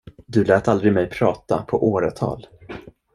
Du lät aldrig mig prata på åratal.